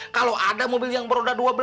kalau ada mobil yang beroda dua belas